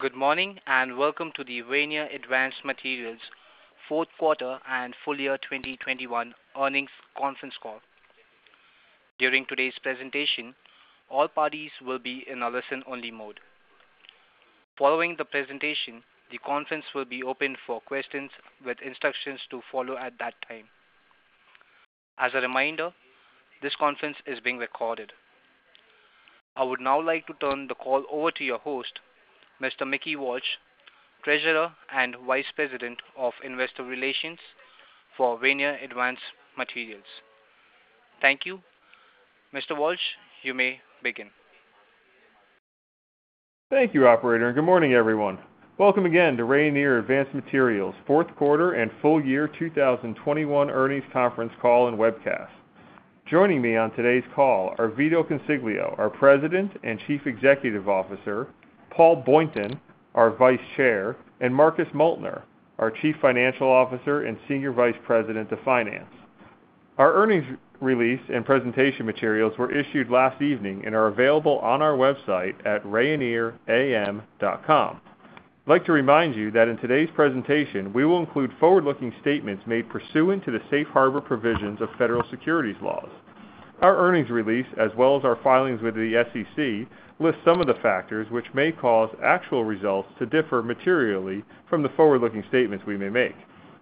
Good morning, and welcome to the Rayonier Advanced Materials fourth quarter and full year 2021 earnings conference call. During today's presentation, all parties will be in a listen-only mode. Following the presentation, the conference will be opened for questions with instructions to follow at that time. As a reminder, this conference is being recorded. I would now like to turn the call over to your host, Mr. Mickey Walsh, Treasurer and Vice President of Investor Relations for Rayonier Advanced Materials. Thank you. Mr. Walsh, you may begin. Thank you, Operator, and good morning, everyone. Welcome again to Rayonier Advanced Materials fourth quarter and full year 2021 earnings conference call and webcast. Joining me on today's call are Vito Consiglio, our President and Chief Executive Officer, Paul Boynton, our Vice Chair, and Marcus Moeltner, our Chief Financial Officer and Senior Vice President of Finance. Our earnings release and presentation materials were issued last evening and are available on our website at rayonieram.com. I'd like to remind you that in today's presentation, we will include forward-looking statements made pursuant to the safe harbor provisions of federal securities laws. Our earnings release, as well as our filings with the SEC, list some of the factors which may cause actual results to differ materially from the forward-looking statements we may make.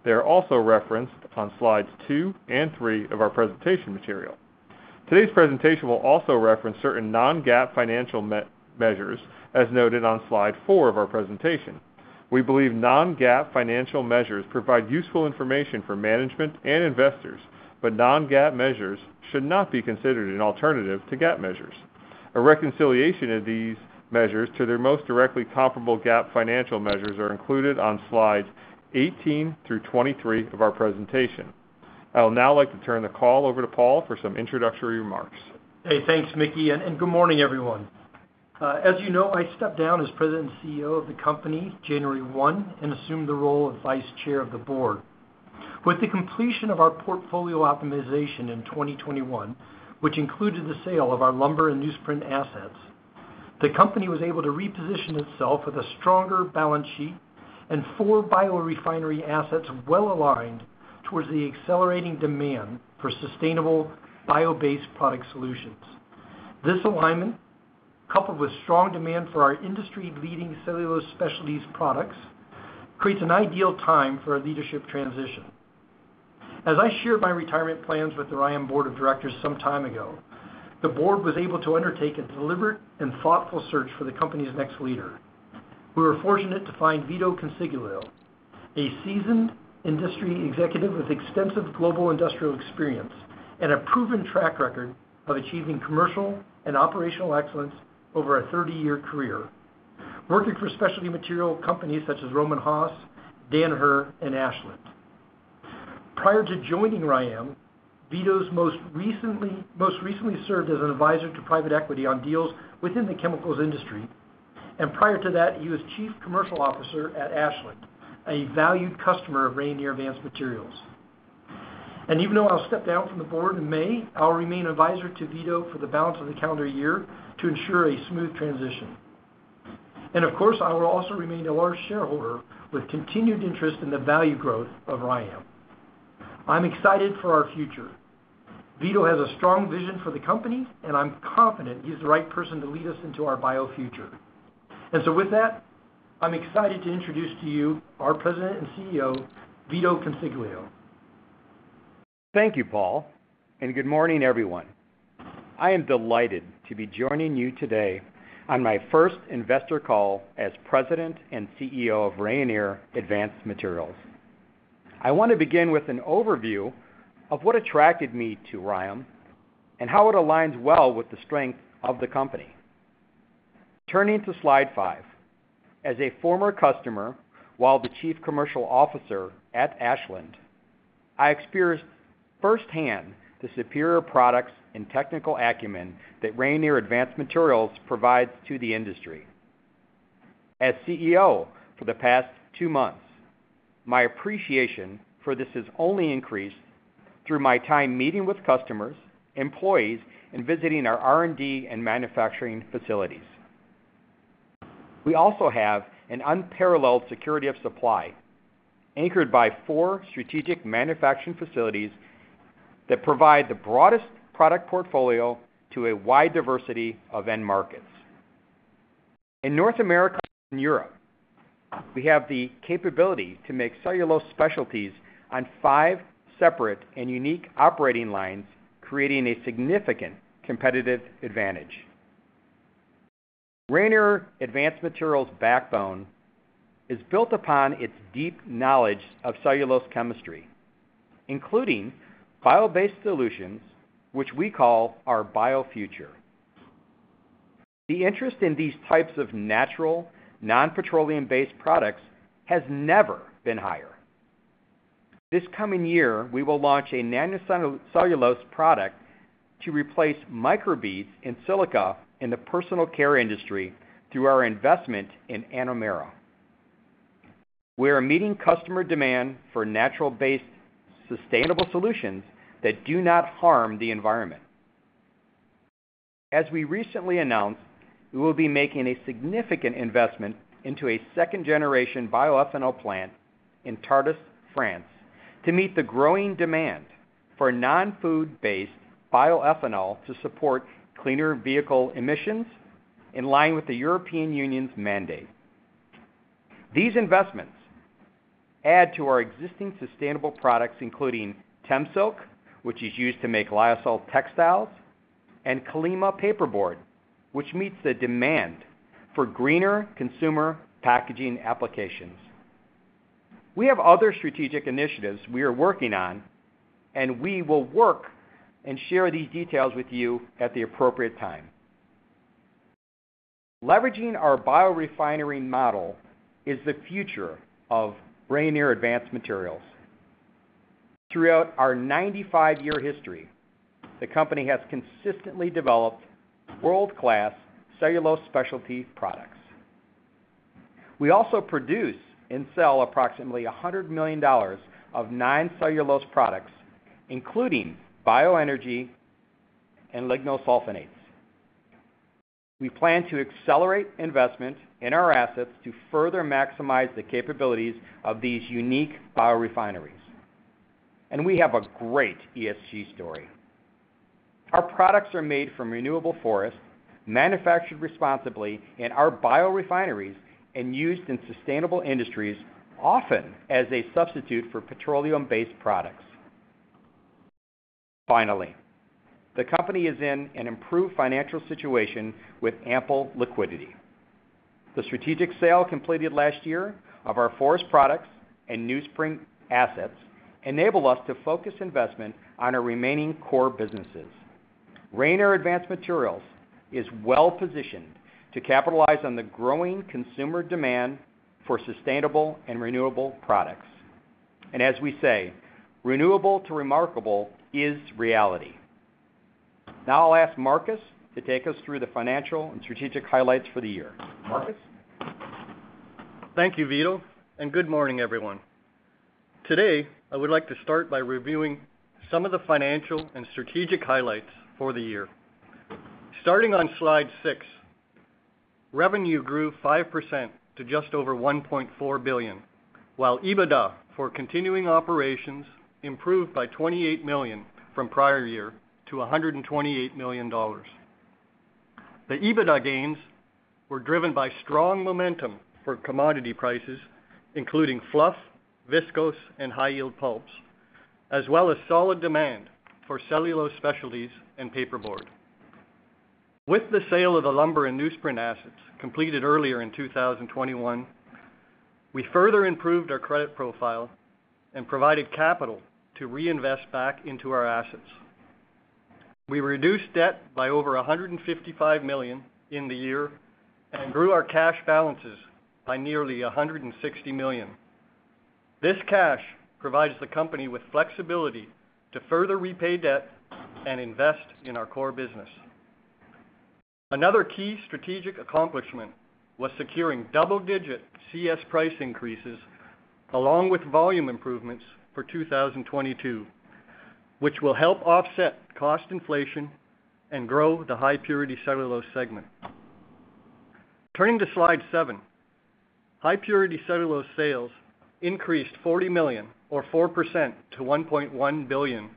They are also referenced on slides two and three of our presentation material. Today's presentation will also reference certain non-GAAP financial measures, as noted on slide four of our presentation. We believe non-GAAP financial measures provide useful information for management and investors, but non-GAAP measures should not be considered an alternative to GAAP measures. A reconciliation of these measures to their most directly comparable GAAP financial measures are included on slides 18 through 23 of our presentation. I'll now like to turn the call over to Paul for some introductory remarks. Hey, thanks, Mickey, and good morning, everyone. As you know, I stepped down as President and CEO of the company January 1 and assumed the role of Vice Chair of the board. With the completion of our portfolio optimization in 2021, which included the sale of our lumber and newsprint assets, the company was able to reposition itself with a stronger balance sheet and four biorefinery assets well-aligned towards the accelerating demand for sustainable bio-based product solutions. This alignment, coupled with strong demand for our industry-leading cellulose specialties products, creates an ideal time for a leadership transition. As I shared my retirement plans with the RYAM board of directors some time ago, the board was able to undertake a deliberate and thoughtful search for the company's next leader. We were fortunate to find Vito Consiglio, a seasoned industry executive with extensive global industrial experience and a proven track record of achieving commercial and operational excellence over a 30-year career, working for specialty material companies such as Rohm and Haas, Danaher, and Ashland. Prior to joining RYAM, Vito's most recently served as an advisor to private equity on deals within the chemicals industry, and prior to that, he was Chief Commercial Officer at Ashland, a valued customer of Rayonier Advanced Materials. Even though I'll step down from the board in May, I'll remain advisor to Vito for the balance of the calendar year to ensure a smooth transition. Of course, I will also remain a large shareholder with continued interest in the value growth of RYAM. I'm excited for our future. Vito has a strong vision for the company, and I'm confident he's the right person to lead us into our bio future. With that, I'm excited to introduce to you our President and CEO, Vito Consiglio. Thank you, Paul, and good morning, everyone. I am delighted to be joining you today on my first investor call as President and CEO of Rayonier Advanced Materials. I want to begin with an overview of what attracted me to RYAM and how it aligns well with the strength of the company. Turning to slide five, as a former customer while the Chief Commercial Officer at Ashland, I experienced firsthand the superior products and technical acumen that Rayonier Advanced Materials provides to the industry. As CEO for the past two months, my appreciation for this has only increased through my time meeting with customers, employees, and visiting our R&D and manufacturing facilities. We also have an unparalleled security of supply, anchored by four strategic manufacturing facilities that provide the broadest product portfolio to a wide diversity of end markets. In North America and Europe, we have the capability to make cellulose specialties on five separate and unique operating lines, creating a significant competitive advantage. Rayonier Advanced Materials' backbone is built upon its deep knowledge of cellulose chemistry, including bio-based solutions, which we call our bio-future. The interest in these types of natural, non-petroleum-based products has never been higher. This coming year, we will launch a nanocellulose product to replace microbeads in silica in the personal care industry through our investment in Anomera. We are meeting customer demand for natural-based sustainable solutions that do not harm the environment. As we recently announced, we will be making a significant investment into a second-generation bioethanol plant in Tartas, France, to meet the growing demand for non-food-based bioethanol to support cleaner vehicle emissions in line with the European Union's mandate. These investments add to our existing sustainable products, including TemSilk, which is used to make Lyocell textiles, and Kallima paperboard, which meets the demand for greener consumer packaging applications. We have other strategic initiatives we are working on, and we will work and share the details with you at the appropriate time. Leveraging our biorefinery model is the future of Rayonier Advanced Materials. Throughout our 95-year history, the company has consistently developed world-class cellulose specialty products. We also produce and sell approximately $100 million of non-cellulose products, including bioenergy and lignosulfonates. We plan to accelerate investment in our assets to further maximize the capabilities of these unique biorefineries. We have a great ESG story. Our products are made from renewable forests, manufactured responsibly in our biorefineries and used in sustainable industries, often as a substitute for petroleum-based products. Finally, the company is in an improved financial situation with ample liquidity. The strategic sale completed last year of our forest products and newsprint assets enabled us to focus investment on our remaining core businesses. Rayonier Advanced Materials is well-positioned to capitalize on the growing consumer demand for sustainable and renewable products. As we say, Renewable to Remarkable is reality. Now I'll ask Marcus to take us through the financial and strategic highlights for the year. Marcus? Thank you, Vito, and good morning, everyone. Today, I would like to start by reviewing some of the financial and strategic highlights for the year. Starting on slide six, revenue grew 5% to just over $1.4 billion, while EBITDA for continuing operations improved by $28 million from prior year to $128 million. The EBITDA gains were driven by strong momentum for commodity prices, including fluff, viscose, and high-yield pulps, as well as solid demand for cellulose specialties and paperboard. With the sale of the lumber and newsprint assets completed earlier in 2021, we further improved our credit profile and provided capital to reinvest back into our assets. We reduced debt by over $155 million in the year and grew our cash balances by nearly $160 million. This cash provides the company with flexibility to further repay debt and invest in our core business. Another key strategic accomplishment was securing double-digit CS price increases along with volume improvements for 2022, which will help offset cost inflation and grow the high purity cellulose segment. Turning to slide seven. High purity cellulose sales increased $40 million or 4% to $1.1 billion,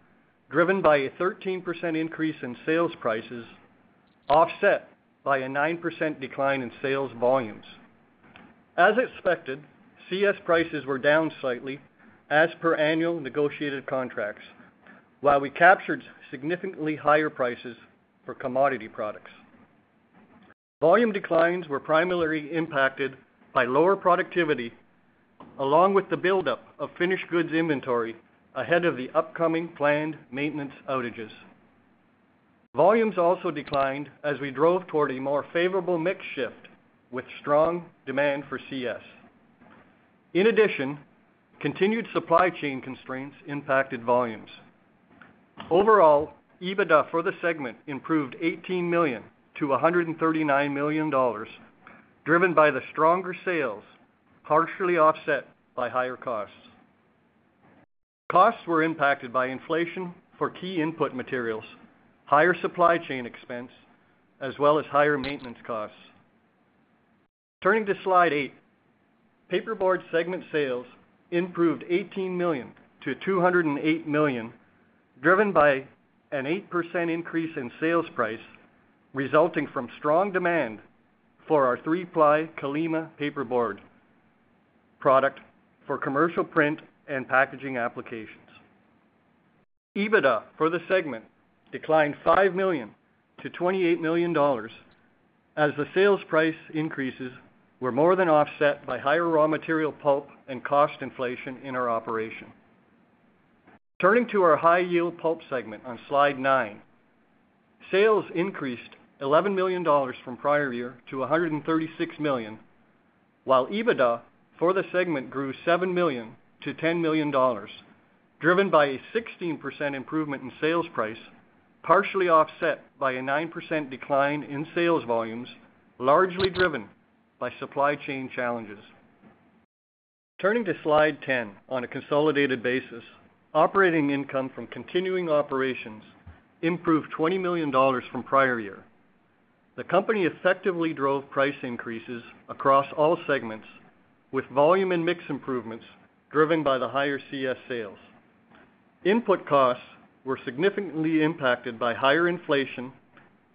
driven by a 13% increase in sales prices, offset by a 9% decline in sales volumes. As expected, CS prices were down slightly as per annual negotiated contracts, while we captured significantly higher prices for commodity products. Volume declines were primarily impacted by lower productivity, along with the buildup of finished goods inventory ahead of the upcoming planned maintenance outages. Volumes also declined as we drove toward a more favorable mix shift with strong demand for CS. In addition, continued supply chain constraints impacted volumes. Overall, EBITDA for the segment improved $18 million to $139 million, driven by the stronger sales, partially offset by higher costs. Costs were impacted by inflation for key input materials, higher supply chain expense, as well as higher maintenance costs. Turning to slide eight, Paperboard segment sales improved $18 million to $208 million, driven by an 8% increase in sales price resulting from strong demand for our three-ply Kallima paperboard product for commercial print and packaging applications. EBITDA for the segment declined $5 million to $28 million as the sales price increases were more than offset by higher raw material pulp and cost inflation in our operation. Turning to our High-Yield Pulp segment on slide nine, sales increased $11 million from prior year to $136 million, while EBITDA for the segment grew $7 million to $10 million. Driven by a 16% improvement in sales price, partially offset by a 9% decline in sales volumes, largely driven by supply chain challenges. Turning to slide 10, on a consolidated basis, operating income from continuing operations improved $20 million from prior year. The company effectively drove price increases across all segments, with volume and mix improvements driven by the higher CS sales. Input costs were significantly impacted by higher inflation,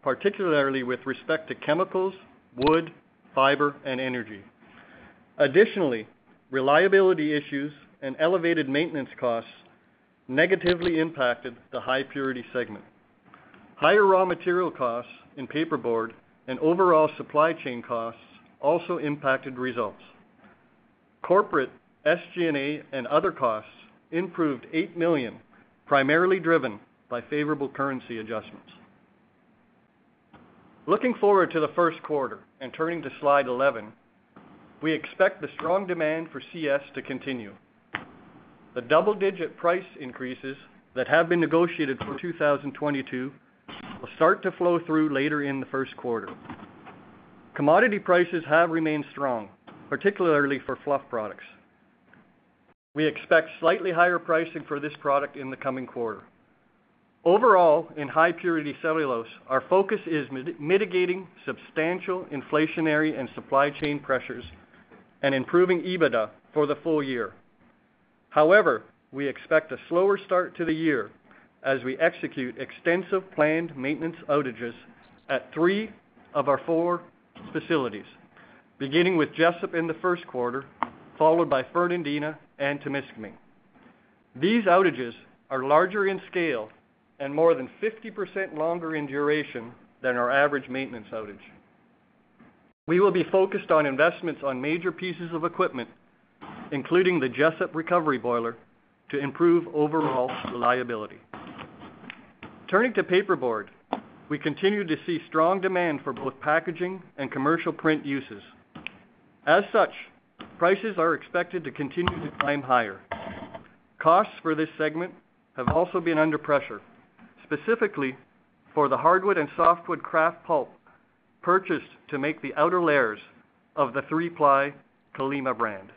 particularly with respect to chemicals, wood, fiber, and energy. Additionally, reliability issues and elevated maintenance costs negatively impacted the High Purity segment. Higher raw material costs in Paperboard and overall supply chain costs also impacted results. Corporate SG&A and other costs improved $8 million, primarily driven by favorable currency adjustments. Looking forward to the first quarter and turning to slide 11, we expect the strong demand for CS to continue. The double-digit price increases that have been negotiated for 2022 will start to flow through later in the first quarter. Commodity prices have remained strong, particularly for fluff products. We expect slightly higher pricing for this product in the coming quarter. Overall, in high purity cellulose, our focus is mitigating substantial inflationary and supply chain pressures and improving EBITDA for the full year. However, we expect a slower start to the year as we execute extensive planned maintenance outages at three of our four facilities, beginning with Jesup in the first quarter, followed by Fernandina and Temiscaming. These outages are larger in scale and more than 50% longer in duration than our average maintenance outage. We will be focused on investments on major pieces of equipment, including the Jesup recovery boiler, to improve overall reliability. Turning to paperboard, we continue to see strong demand for both packaging and commercial print uses. As such, prices are expected to continue to climb higher. Costs for this segment have also been under pressure, specifically for the hardwood and softwood kraft pulp purchased to make the outer layers of the three-ply Kallima brand.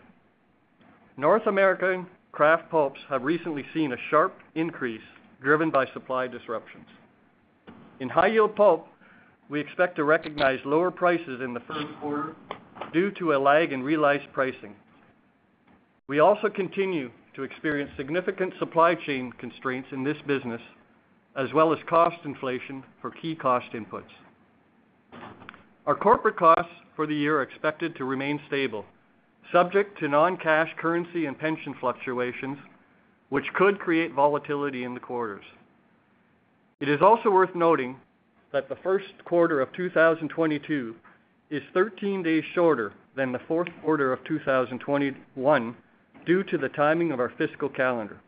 North American kraft pulps have recently seen a sharp increase driven by supply disruptions. In high-yield pulp, we expect to recognize lower prices in the first quarter due to a lag in realized pricing. We also continue to experience significant supply chain constraints in this business, as well as cost inflation for key cost inputs. Our corporate costs for the year are expected to remain stable, subject to non-cash currency and pension fluctuations, which could create volatility in the quarters. It is also worth noting that the first quarter of 2022 is 13 days shorter than the fourth quarter of 2021 due to the timing of our fiscal calendar.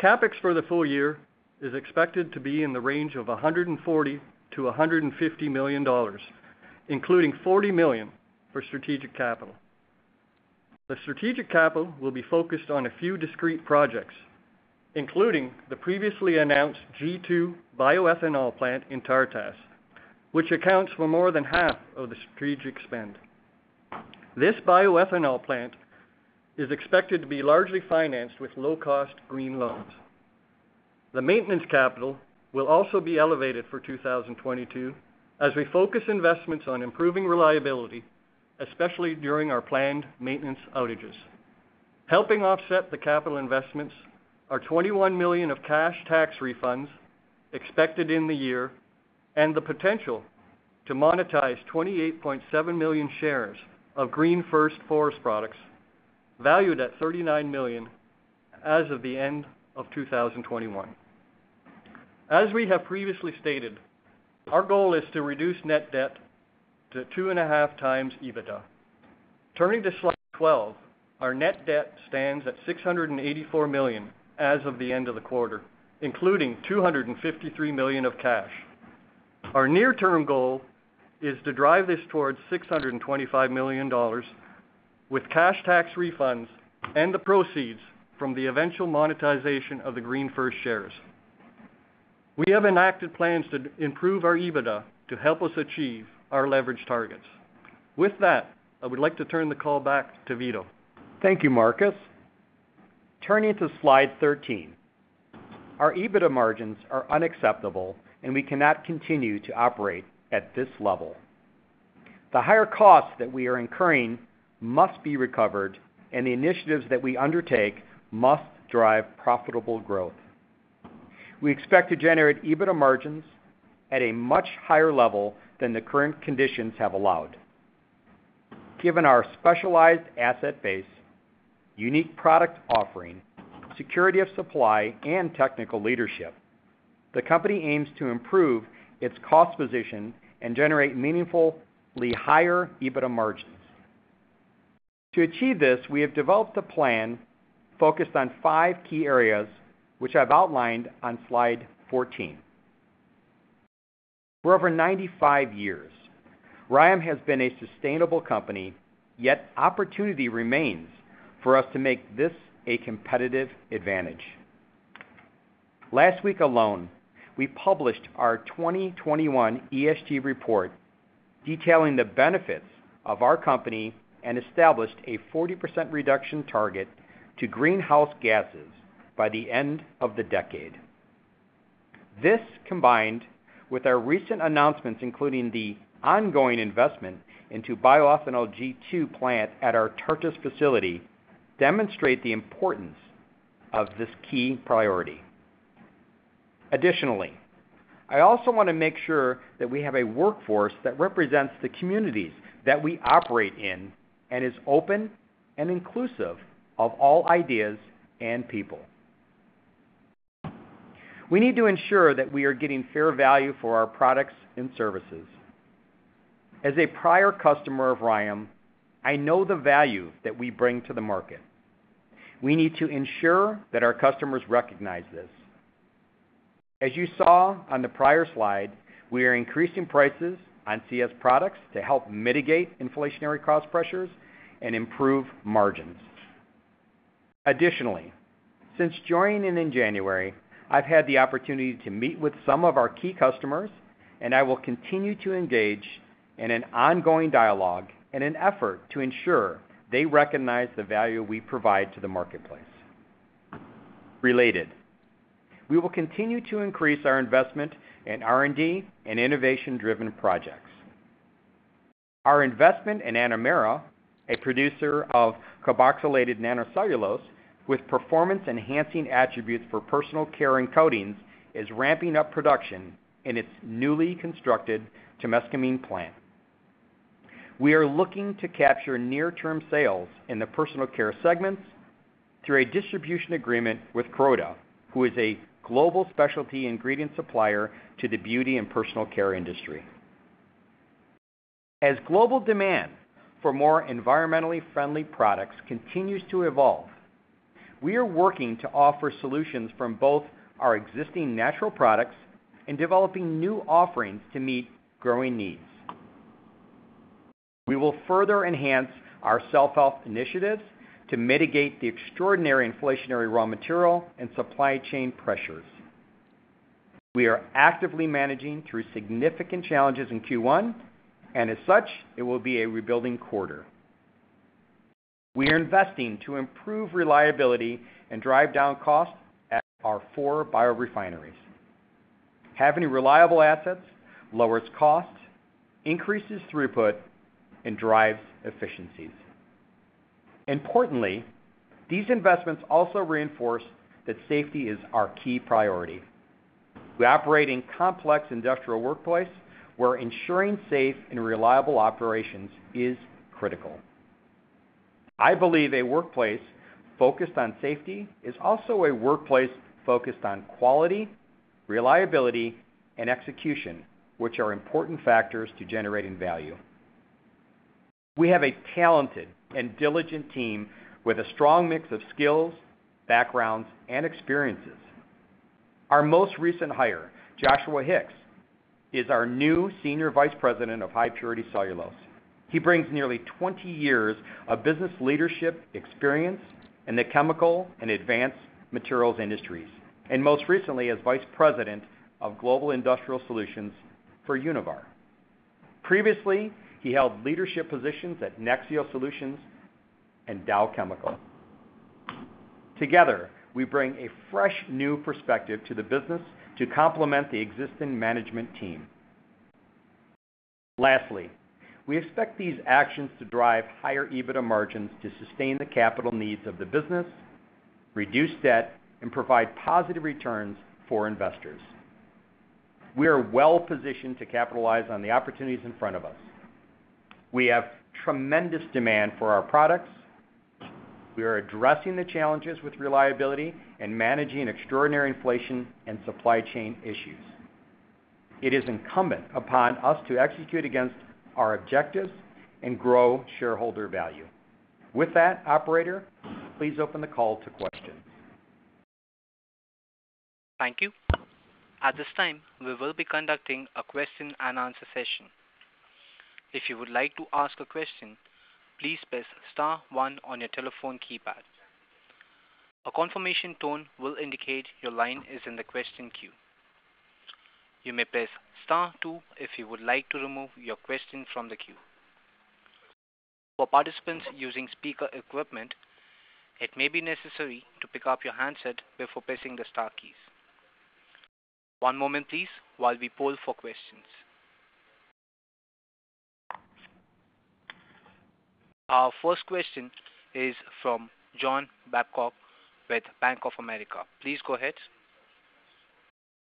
CapEx for the full year is expected to be in the range of $140 million-$150 million, including $40 million for strategic capital. The strategic capital will be focused on a few discrete projects, including the previously announced G2 bioethanol plant in Tartas, which accounts for more than half of the strategic spend. This bioethanol plant is expected to be largely financed with low-cost green loans. The maintenance capital will also be elevated for 2022 as we focus investments on improving reliability, especially during our planned maintenance outages. Helping offset the capital investments are $21 million of cash tax refunds expected in the year, and the potential to monetize 28.7 million shares of GreenFirst Forest Products, valued at $39 million as of the end of 2021. As we have previously stated, our goal is to reduce net debt to 2.5 times EBITDA. Turning to slide 12, our net debt stands at $684 million as of the end of the quarter, including $253 million of cash. Our near-term goal is to drive this towards $625 million with cash tax refunds and the proceeds from the eventual monetization of the GreenFirst shares. We have enacted plans to improve our EBITDA to help us achieve our leverage targets. With that, I would like to turn the call back to Vito. Thank you, Marcus. Turning to slide 13, our EBITDA margins are unacceptable and we cannot continue to operate at this level. The higher costs that we are incurring must be recovered and the initiatives that we undertake must drive profitable growth. We expect to generate EBITDA margins at a much higher level than the current conditions have allowed. Given our specialized asset base, unique product offering, security of supply, and technical leadership, the company aims to improve its cost position and generate meaningfully higher EBITDA margins. To achieve this, we have developed a plan focused on five key areas which I've outlined on slide 14. For over 95 years, RYAM has been a sustainable company, yet opportunity remains for us to make this a competitive advantage. Last week alone, we published our 2021 ESG report detailing the benefits of our company and established a 40% reduction target to greenhouse gases by the end of the decade. This, combined with our recent announcements, including the ongoing investment into bioethanol G2 plant at our Tartas facility, demonstrate the importance of this key priority. Additionally, I also want to make sure that we have a workforce that represents the communities that we operate in and is open and inclusive of all ideas and people. We need to ensure that we are getting fair value for our products and services. As a prior customer of RYAM, I know the value that we bring to the market. We need to ensure that our customers recognize this. As you saw on the prior slide, we are increasing prices on CS products to help mitigate inflationary cost pressures and improve margins. Additionally, since joining in January, I've had the opportunity to meet with some of our key customers, and I will continue to engage in an ongoing dialogue in an effort to ensure they recognize the value we provide to the marketplace. Related, we will continue to increase our investment in R&D and innovation-driven projects. Our investment in Anomera, a producer of carboxylated nanocellulose with performance-enhancing attributes for personal care and coatings, is ramping up production in its newly constructed Témiscaming plant. We are looking to capture near-term sales in the personal care segments through a distribution agreement with Croda, who is a global specialty ingredient supplier to the beauty and personal care industry. As global demand for more environmentally friendly products continues to evolve, we are working to offer solutions from both our existing natural products and developing new offerings to meet growing needs. We will further enhance our self-help initiatives to mitigate the extraordinary inflationary raw material and supply chain pressures. We are actively managing through significant challenges in Q1, and as such, it will be a rebuilding quarter. We are investing to improve reliability and drive down costs at our four biorefineries. Having reliable assets lowers costs, increases throughput, and drives efficiencies. Importantly, these investments also reinforce that safety is our key priority. We operate in complex industrial workplace where ensuring safe and reliable operations is critical. I believe a workplace focused on safety is also a workplace focused on quality, reliability, and execution, which are important factors to generating value. We have a talented and diligent team with a strong mix of skills, backgrounds, and experiences. Our most recent hire, Joshua Hicks, is our new Senior Vice President of High Purity Cellulose. He brings nearly 20 years of business leadership experience in the chemical and advanced materials industries, and most recently as Vice President of Global Industrial Solutions for Univar. Previously, he held leadership positions at Nexeo Solutions and Dow Chemical. Together, we bring a fresh new perspective to the business to complement the existing management team. Lastly, we expect these actions to drive higher EBITDA margins to sustain the capital needs of the business, reduce debt, and provide positive returns for investors. We are well-positioned to capitalize on the opportunities in front of us. We have tremendous demand for our products. We are addressing the challenges with reliability and managing extraordinary inflation and supply chain issues. It is incumbent upon us to execute against our objectives and grow shareholder value. With that, Operator, please open the call to questions. Our first question is from John Babcock with Bank of America. Please go ahead.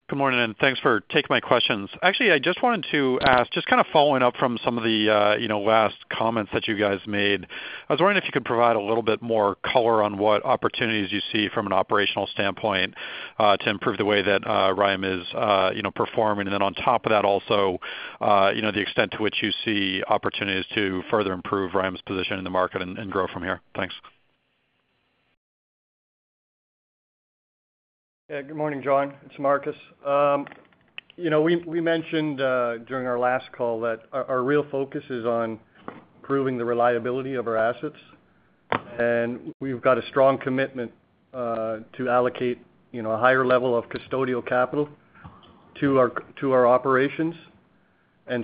Good morning, and thanks for taking my questions. Actually, I just wanted to ask, just kind of following up from some of the, you know, last comments that you guys made. I was wondering if you could provide a little bit more color on what opportunities you see from an operational standpoint, to improve the way that, RYAM is, you know, performing. On top of that, also, you know, the extent to which you see opportunities to further improve RYAM's position in the market and grow from here. Thanks. Yeah. Good morning, John. It's Marcus. You know, we mentioned during our last call that our real focus is on improving the reliability of our assets. We've got a strong commitment to allocate, you know, a higher level of custodial capital to our operations.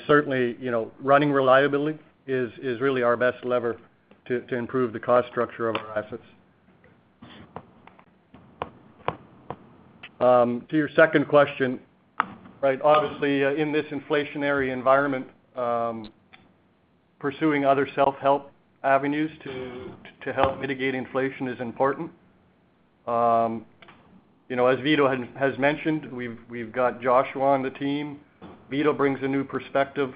Certainly, you know, running reliability is really our best lever to improve the cost structure of our assets. To your second question, right? Obviously, in this inflationary environment, pursuing other self-help avenues to help mitigate inflation is important. You know, as Vito has mentioned, we've got Joshua on the team. Vito brings a new perspective.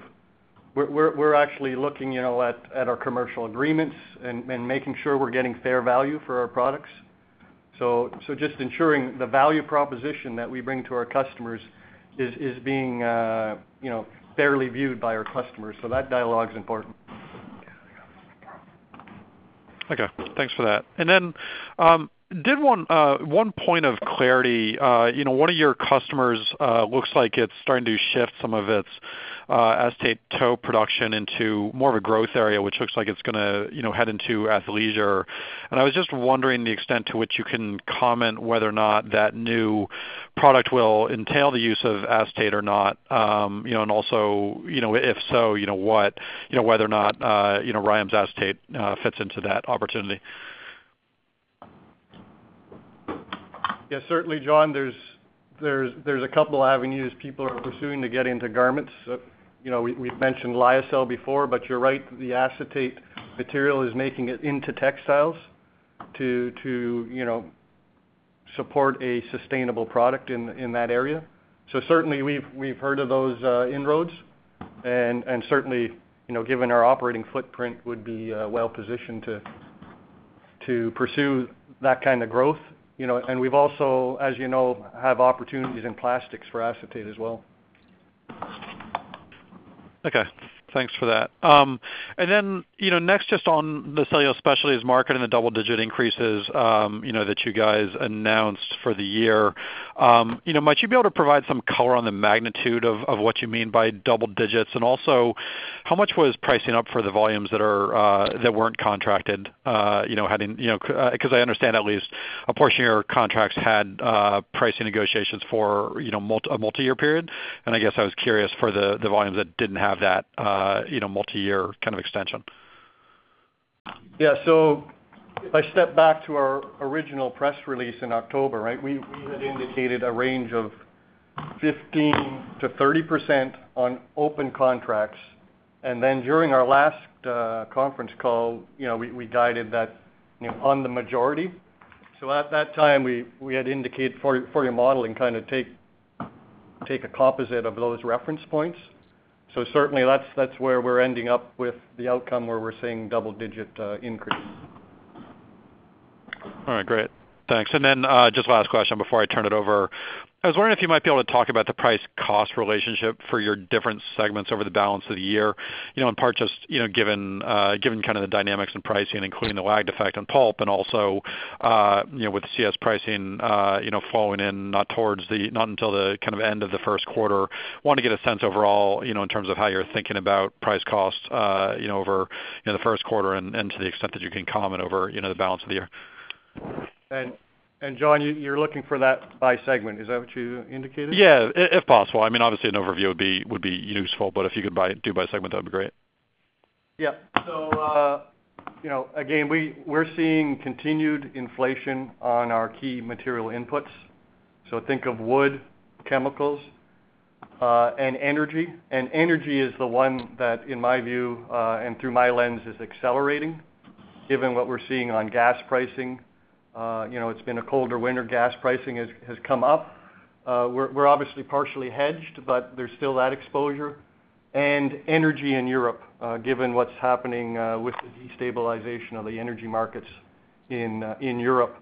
We're actually looking, you know, at our commercial agreements and making sure we're getting fair value for our products. Just ensuring the value proposition that we bring to our customers is being, you know, fairly viewed by our customers. That dialogue's important. Okay. Thanks for that. One point of clarity, you know, one of your customers looks like it's starting to shift some of its acetate tow production into more of a growth area, which looks like it's gonna, you know, head into athleisure. I was just wondering the extent to which you can comment whether or not that new product will entail the use of acetate or not. You know, if so, you know, whether or not RYAM's acetate fits into that opportunity. Yeah, certainly, John, there's a couple avenues people are pursuing to get into garments. You know, we've mentioned Lyocell before, but you're right, the acetate material is making it into textiles to you know support a sustainable product in that area. Certainly we've heard of those inroads. Certainly, you know, given our operating footprint would be well positioned to pursue that kind of growth, you know. We've also, as you know, have opportunities in plastics for acetate as well. Okay, thanks for that. You know, next, just on the cellulose specialties market and the double-digit increases, you know, that you guys announced for the year. You know, might you be able to provide some color on the magnitude of what you mean by double digits? Also, how much was pricing up for the volumes that weren't contracted, you know, having, you know, 'cause I understand at least a portion of your contracts had pricing negotiations for, you know, multi-year period. I guess I was curious for the volumes that didn't have that, you know, multi-year kind of extension. Yeah. If I step back to our original press release in October, right, we had indicated a range of 15%-30% on open contracts. During our last conference call, you know, we guided that, you know, on the majority. At that time, we had indicated for your modeling kind of take a composite of those reference points. Certainly that's where we're ending up with the outcome where we're seeing double-digit increase. All right, great. Thanks. Just last question before I turn it over. I was wondering if you might be able to talk about the price cost relationship for your different segments over the balance of the year. You know, in part just, you know, given kind of the dynamics in pricing, including the lagged effect on pulp and also, you know, with CS pricing falling not until kind of the end of the first quarter. I want to get a sense overall, you know, in terms of how you're thinking about price cost, you know, over the first quarter and to the extent that you can comment over the balance of the year. John, you're looking for that by segment. Is that what you indicated? Yeah, if possible. I mean, obviously an overview would be useful, but if you could do by segment, that'd be great. Yeah. Again, we're seeing continued inflation on our key material inputs, so think of wood, chemicals, and energy. Energy is the one that, in my view, and through my lens, is accelerating given what we're seeing on gas pricing. It's been a colder winter. Gas pricing has come up. We're obviously partially hedged, but there's still that exposure. Energy in Europe, given what's happening, with the destabilization of the energy markets in Europe.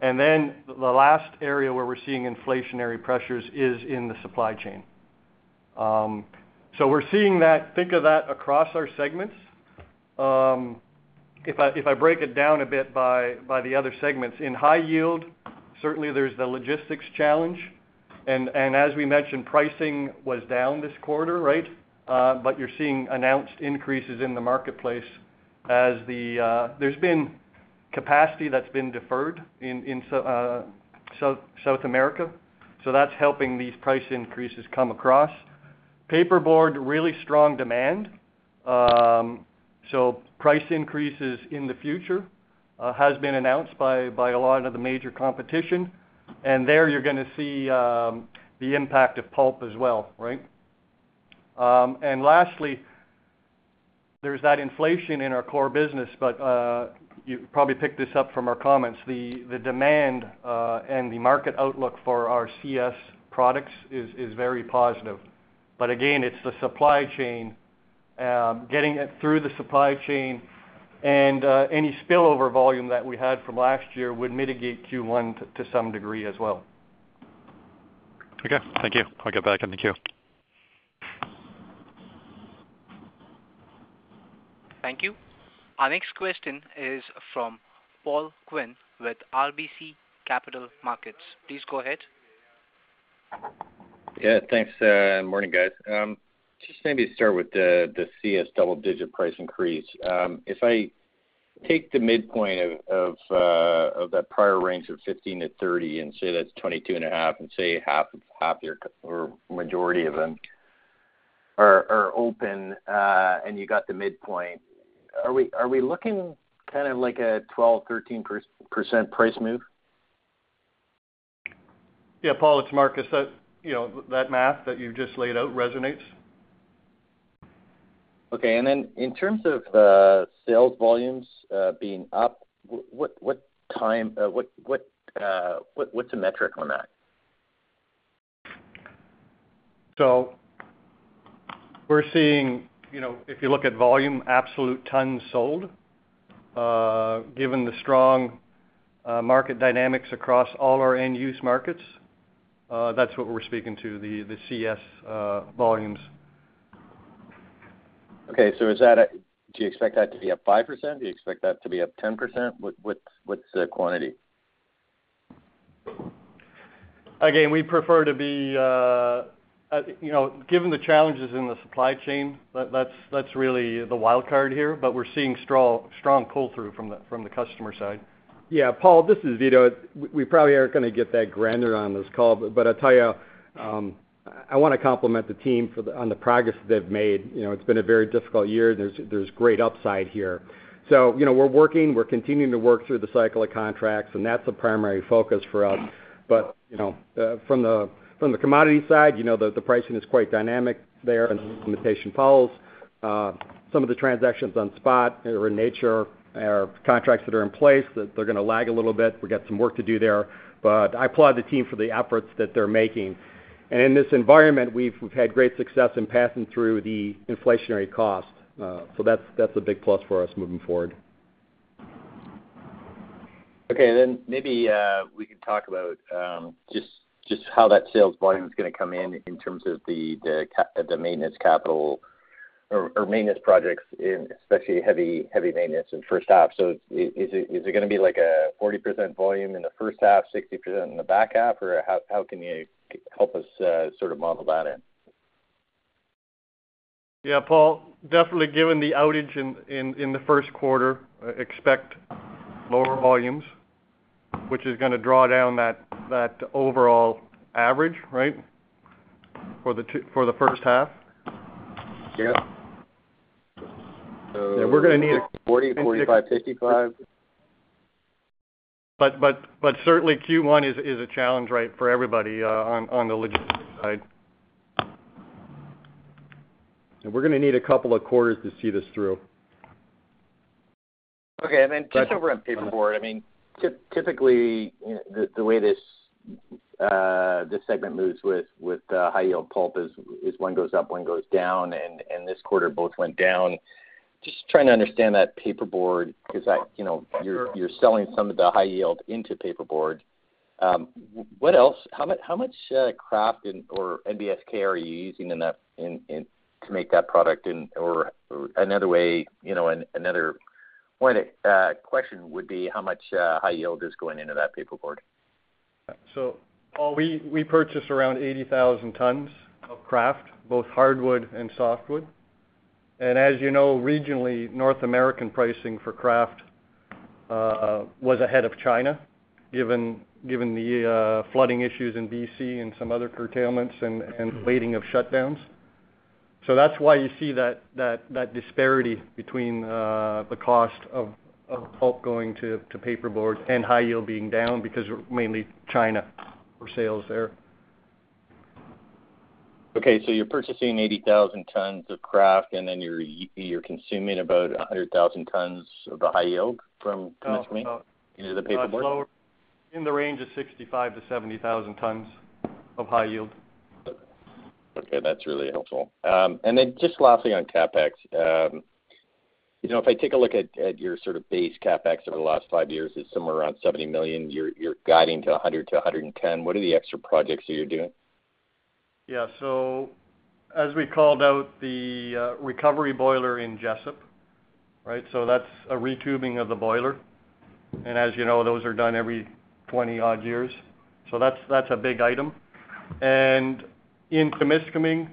The last area where we're seeing inflationary pressures is in the supply chain. We're seeing that. Think of that across our segments. If I break it down a bit by the other segments. In high-yield, certainly there's the logistics challenge. As we mentioned, pricing was down this quarter, right? But you're seeing announced increases in the marketplace as there's been capacity that's been deferred in South America, so that's helping these price increases come across. Paperboard, really strong demand. Price increases in the future has been announced by a lot of the major competition. There you're gonna see the impact of pulp as well, right? Lastly, there's that inflation in our core business, but you probably picked this up from our comments. The demand and the market outlook for our CS products is very positive. Again, it's the supply chain, getting it through the supply chain and any spillover volume that we had from last year would mitigate Q1 to some degree as well. Okay, thank you. I'll get back in the queue. Thank you. Our next question is from Paul Quinn with RBC Capital Markets. Please go ahead. Yeah. Thanks. Morning, guys. Just maybe start with the CS double-digit price increase. If I take the midpoint of that prior range of 15-30 and say that's 22.5, and say half or majority of them are open, and you got the midpoint, are we looking kind of like a 12-13% price move? Yeah, Paul, it's Marcus. You know, that math that you just laid out resonates. Okay. In terms of the sales volumes being up, what's the metric on that? We're seeing, you know, if you look at volume, absolute tons sold, given the strong market dynamics across all our end-use markets, that's what we're speaking to, the CS volumes. Okay. Do you expect that to be up 5%? Do you expect that to be up 10%? What's the quantity? Again, we prefer to be, you know, given the challenges in the supply chain, that's really the wild card here, but we're seeing strong pull-through from the customer side. Paul, this is Vito. We probably aren't gonna get that granular on this call, but I'll tell you, I wanna compliment the team on the progress they've made. You know, it's been a very difficult year. There's great upside here. You know, we're continuing to work through the cycle of contracts, and that's a primary focus for us. You know, from the commodity side, you know, the pricing is quite dynamic there, and as the limitation follows, some of the transactions on spot are in nature or contracts that are in place, that they're gonna lag a little bit. We got some work to do there, but I applaud the team for the efforts that they're making. In this environment, we've had great success in passing through the inflationary cost. That's a big plus for us moving forward. Okay. Maybe we can talk about just how that sales volume is gonna come in in terms of the maintenance capital or maintenance projects in especially heavy maintenance in first half. Is it gonna be like a 40% volume in the first half, 60% in the back half? Or how can you help us sort of model that in? Yeah, Paul, definitely given the outage in the first quarter, expect lower volumes, which is gonna draw down that overall average, right, for the first half. Yeah. Yeah, we're gonna need. 40, 45, 55? Certainly Q1 is a challenge, right, for everybody, on the logistics side. We're gonna need a couple of quarters to see this through. Okay. Just over on Paperboard, I mean, typically, you know, the way this segment moves with High-Yield Pulp is one goes up, one goes down, and this quarter both went down. Just trying to understand that Paperboard because that, you know- Sure you're selling some of the high-yield into paperboard. What else? How much kraft or NBSK are you using in that to make that product? Or another way, you know, another way question would be how much high-yield is going into that paperboard? Paul, we purchase around 80,000 tons of kraft, both hardwood and softwood. As you know, regionally, North American pricing for kraft was ahead of China, given the flooding issues in BC and some other curtailments and waiting of shutdowns. That's why you see that disparity between the cost of pulp going to paperboard and high yield being down because mainly China for sales there. You're purchasing 80,000 tons of kraft, and then you're consuming about 100,000 tons of the high-yield from Témiscaming- About- Into the paperboard? About lower in the range of 65,000-70,000 tons of high-yield. Okay. That's really helpful. Just lastly on CapEx. You know, if I take a look at your sort of base CapEx over the last five years is somewhere around $70 million, you're guiding to $100 million-$110 million. What are the extra projects that you're doing? Yeah. As we called out the recovery boiler in Jesup, right? That's a retubing of the boiler. As you know, those are done every 20-odd years. That's a big item. In Temiscaming,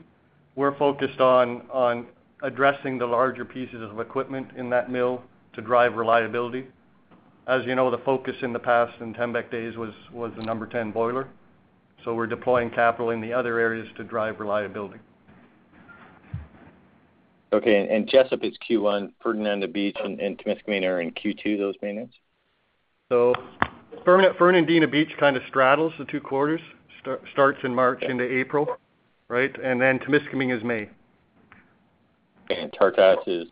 we're focused on addressing the larger pieces of equipment in that mill to drive reliability. As you know, the focus in the past, in Tembec days, was the number 10 boiler. We're deploying capital in the other areas to drive reliability. Okay. Jesup is Q1, Fernandina Beach and Temiscaming are in Q2, those maintenance? Fernandina Beach kind of straddles the two quarters. Starts in March into April, right? Témiscaming is May. Tartas is?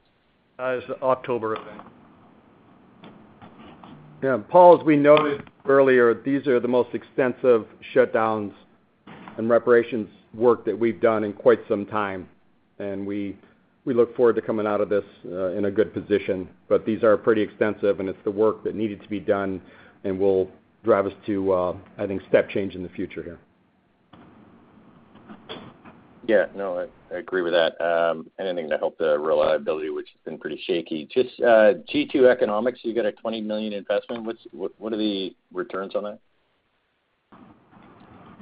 is October event. Yeah. Paul, as we noted earlier, these are the most extensive shutdowns and repairs work that we've done in quite some time, and we look forward to coming out of this in a good position. These are pretty extensive, and it's the work that needed to be done and will drive us to, I think, step change in the future here. I agree with that. Anything to help the reliability, which has been pretty shaky. Just G2 economics, you get a $20 million investment. What are the returns on that?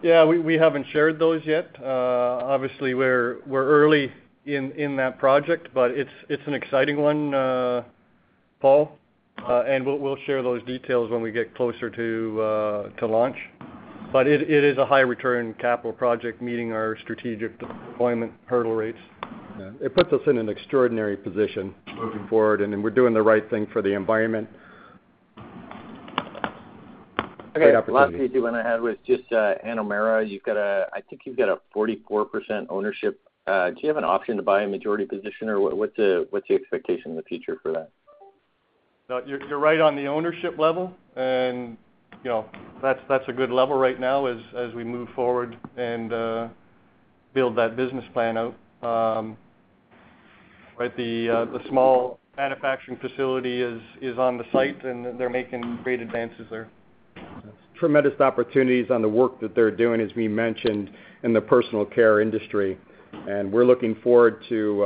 Yeah. We haven't shared those yet. Obviously, we're early in that project, but it's an exciting one, Paul, and we'll share those details when we get closer to launch. It is a high return capital project meeting our strategic deployment hurdle rates. Yeah. It puts us in an extraordinary position moving forward. We're doing the right thing for the environment. Great opportunity. Okay. Last piece I had was just Anomera. I think you've got a 44% ownership. Do you have an option to buy a majority position? Or what's the expectation in the future for that? No. You're right on the ownership level, and, you know, that's a good level right now as we move forward and build that business plan out. Right? The small manufacturing facility is on the site, and they're making great advances there. Tremendous opportunities on the work that they're doing, as we mentioned in the personal care industry, and we're looking forward to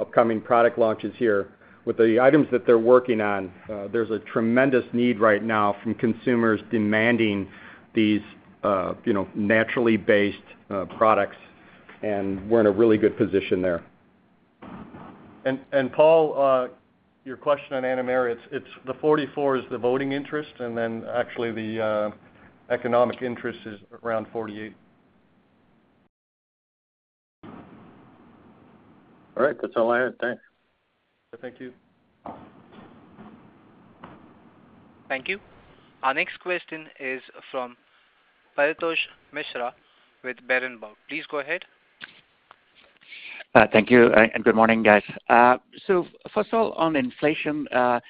upcoming product launches here. With the items that they're working on, there's a tremendous need right now from consumers demanding these, you know, naturally based products, and we're in a really good position there. Paul, your question on Anomera, it's the 44% is the voting interest, and then actually the economic interest is around 48%. All right. That's all I had. Thanks. Thank you. Thank you. Our next question is from Paretosh Misra with Berenberg. Please go ahead. Thank you and good morning, guys. First of all, on inflation, I'm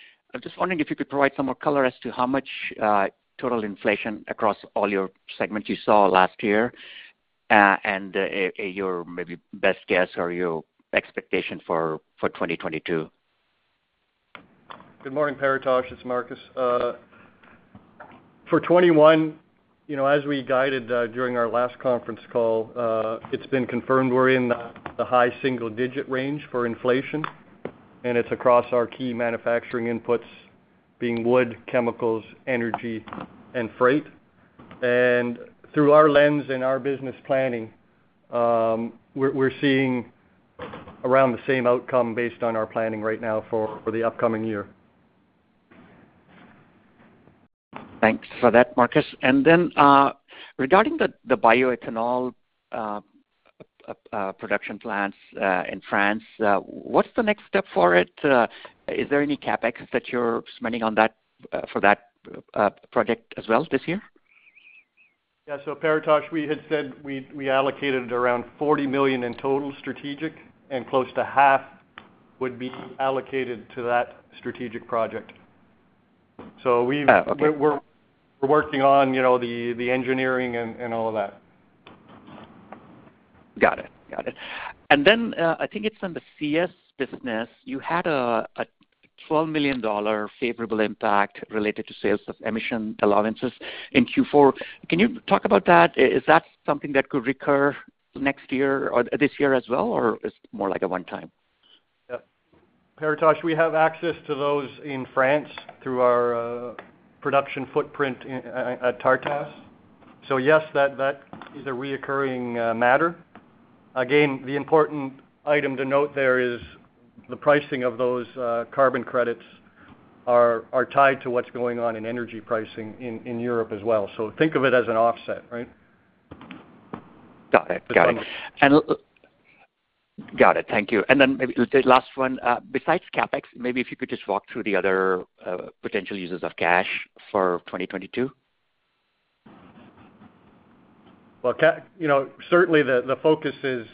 just wondering if you could provide some more color as to how much total inflation across all your segments you saw last year, and your maybe best guess or your expectation for 2022. Good morning, Paretosh. It's Marcus. For 2021, you know, as we guided during our last conference call, it's been confirmed we're in the high single-digit range for inflation, and it's across our key manufacturing inputs being wood, chemicals, energy, and freight. Through our lens and our business planning, we're seeing around the same outcome based on our planning right now for the upcoming year. Thanks for that, Marcus. Regarding the bioethanol production plants in France, what's the next step for it? Is there any CapEx that you're spending on that for that project as well this year? Yeah. Paretosh, we had said we allocated around $40 million in total strategic and close to half would be allocated to that strategic project. We've- Okay. We're working on, you know, the engineering and all of that. Got it. I think it's on the CS business, you had a $12 million favorable impact related to sales of emission allowances in Q4. Can you talk about that? Is that something that could recur next year or this year as well, or it's more like a one-time? Yeah. Paretosh, we have access to those in France through our production footprint in Tartas. Yes, that is a recurring matter. Again, the important item to note there is the pricing of those carbon credits are tied to what's going on in energy pricing in Europe as well. Think of it as an offset, right? Got it. Got it. That's how I'm- Got it. Thank you. Maybe the last one, besides CapEx, maybe if you could just walk through the other potential uses of cash for 2022. Okay, you know, certainly the focus is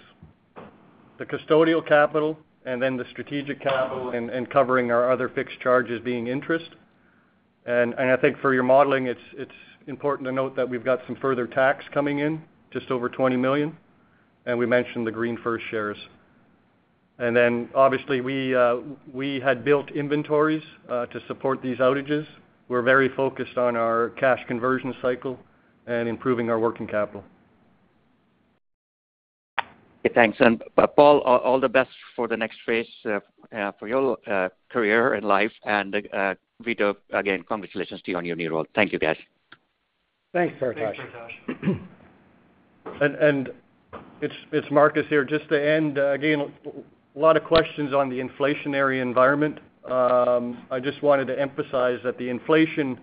the custodial capital and then the strategic capital and covering our other fixed charges being interest. I think for your modeling, it's important to note that we've got some further tax coming in, just over $20 million, and we mentioned the GreenFirst shares. Then obviously we had built inventories to support these outages. We're very focused on our cash conversion cycle and improving our working capital. Okay. Thanks. Paul, all the best for the next phase for your career and life, and Vito, again, congratulations to you on your new role. Thank you, guys. Thanks, Paretosh. It's Marcus here. Just to end, again, a lot of questions on the inflationary environment. I just wanted to emphasize that the inflation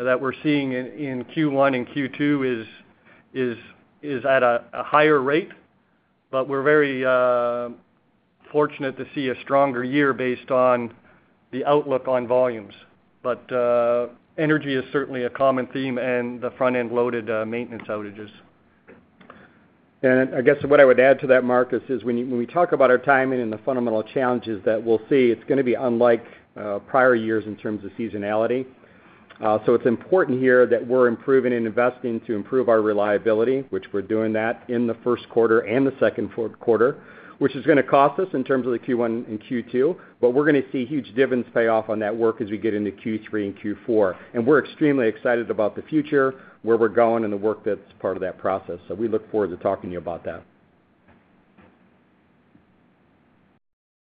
that we're seeing in Q1 and Q2 is at a higher rate. We're very fortunate to see a stronger year based on the outlook on volumes. Energy is certainly a common theme and the front-end loaded maintenance outages. I guess what I would add to that, Marcus, is when we talk about our timing and the fundamental challenges that we'll see, it's gonna be unlike prior years in terms of seasonality. It's important here that we're improving and investing to improve our reliability, which we're doing that in the first quarter and the second quarter, which is gonna cost us in terms of the Q1 and Q2, but we're gonna see huge dividends pay off on that work as we get into Q3 and Q4. We're extremely excited about the future, where we're going and the work that's part of that process. We look forward to talking to you about that.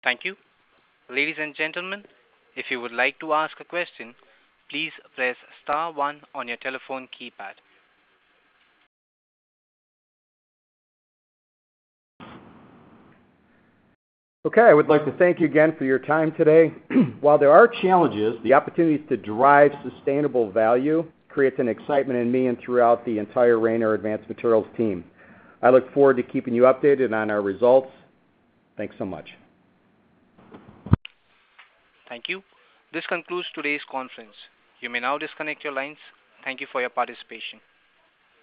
Thank you. Ladies and gentlemen, if you would like to ask a question, please press star one on your telephone keypad. Okay. I would like to thank you again for your time today. While there are challenges, the opportunities to drive sustainable value creates an excitement in me and throughout the entire Rayonier Advanced Materials team. I look forward to keeping you updated on our results. Thanks so much. Thank you. This concludes today's conference. You may now disconnect your lines. Thank you for your participation.